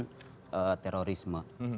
terjadi dalam penanganan terorisme